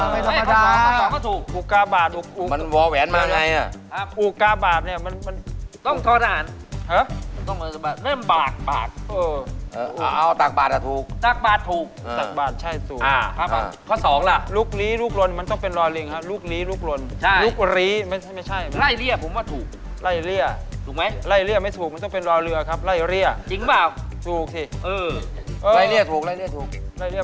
ไม่ธรรมดาข้อ๒ก็ถูกอุกาบาทอุกาบาทอุกาบาทอุกาบาทอุกาบาทอุกาบาทอุกาบาทอุกาบาทอุกาบาทอุกาบาทอุกาบาทอุกาบาทอุกาบาทอุกาบาทอุกาบาทอุกาบาทอุกาบาทอุกาบาทอุกาบาทอุกาบาทอุกาบาทอุกาบาทอุกาบาทอุกาบาทอุกาบาท